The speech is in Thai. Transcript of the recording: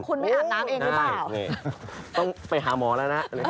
คุณไม่อาบน้ำเองหรือเปล่าต้องไปหาหมอแล้วนะ